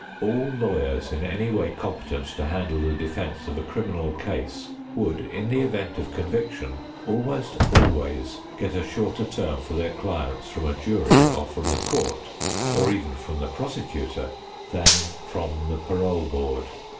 All lawyers in any way competent to handle the defense of a criminal case would, in the event of conviction, almost always get a shorter term for their clients from a jury or from the court, or even from the prosecutor, than from the parole board.